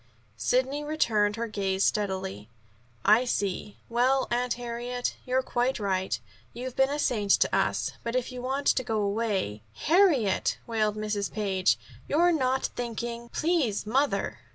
Sidney returned her gaze steadily. "I see. Well, Aunt Harriet, you're quite right. You've been a saint to us, but if you want to go away " "Harriet!" wailed Mrs. Page, "you're not thinking " "Please, mother."